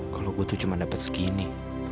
kalau gue tuh cuma dapat segini